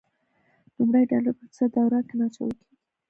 نوموړي ډالر په اقتصادي دوران کې نه اچول کیږي.